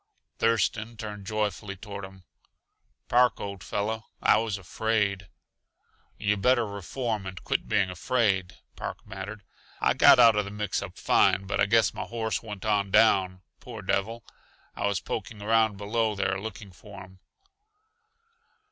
Thurston turned joyfully toward him. "Park, old fellow, I was afraid." "Yuh better reform and quit being afraid," Park bantered. "I got out uh the mix up fine, but I guess my horse went on down poor devil. I was poking around below there looking for him."